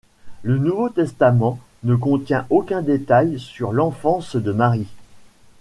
Le Nouveau Testament ne contient aucun détail sur l'enfance de Marie.